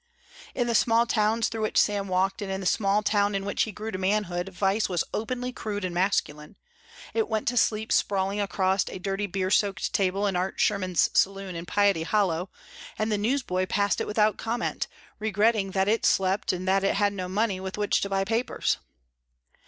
In the small towns through which Sam walked and in the small town in which he grew to manhood vice was openly crude and masculine. It went to sleep sprawling across a dirty beer soaked table in Art Sherman's saloon in Piety Hollow, and the newsboy passed it without comment, regretting that it slept and that it had no money with which to buy papers.